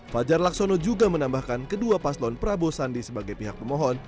fajar laksono juga menambahkan kedua paslon prabowo sandi sebagai pihak pemohon